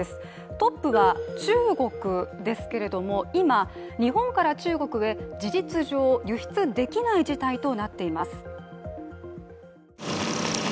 トップは中国ですけれども今、日本から中国へ事実上、輸出できない事態となっています。